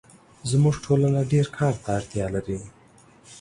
زموږ ټولنه ډېرکار ته اړتیا لري